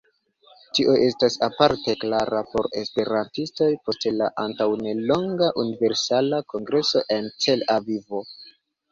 Tio estas aparte klara por esperantistoj post la antaŭnelonga Universala Kongreso en Tel-Avivo.